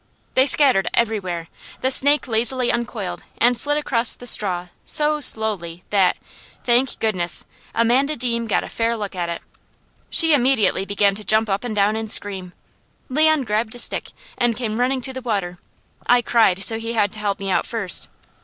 They scattered everywhere. The snake lazily uncoiled and slid across the straw so slowly that thank goodness! Amanda Deam got a fair look at it. She immediately began to jump up and down and scream. Leon grabbed a stick and came running to the water. I cried so he had to help me out first.